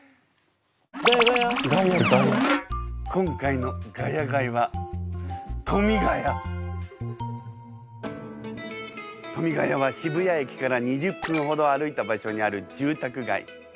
今回の「ヶ谷街」は富ヶ谷は渋谷駅から２０分ほど歩いた場所にある住宅街。